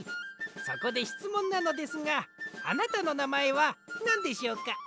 そこでしつもんなのですがあなたのなまえはなんでしょうか？